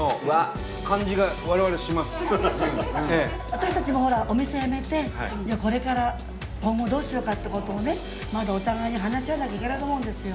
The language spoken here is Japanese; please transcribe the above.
私たちもほらお店やめてこれから今後どうしようかっていうことをねまだお互いに話し合わなきゃいけないと思うんですよ。